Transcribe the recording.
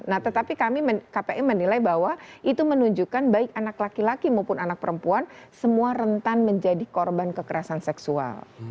nah tetapi kami kpi menilai bahwa itu menunjukkan baik anak laki laki maupun anak perempuan semua rentan menjadi korban kekerasan seksual